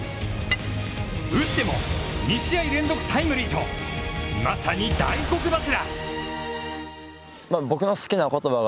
打っても２試合連続タイムリーと、まさに大黒柱。